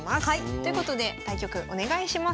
ということで対局お願いします。